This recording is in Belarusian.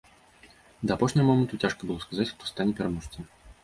Да апошняга моманту цяжка было сказаць, хто стане пераможцам.